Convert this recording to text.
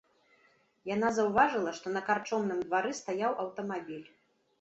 Яна заўважыла, што на карчомным двары стаяў аўтамабіль.